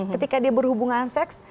ketika dia berhubungan seks